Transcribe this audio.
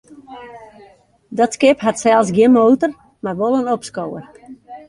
Dat skip hat sels gjin motor, mar wol in opskower.